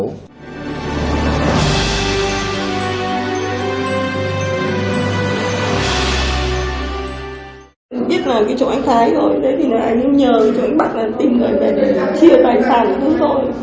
chúng tôi biết là chỗ anh thái rồi thế thì anh nhờ chỗ anh bắc tìm người về chia tài sản của chúng tôi